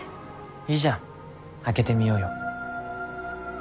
いいじゃん開けてみようよ。